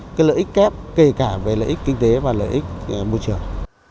nó mang lại lợi ích kép kể cả về lợi ích kinh tế và lợi ích môi trường